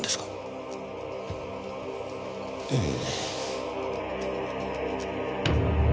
ええ。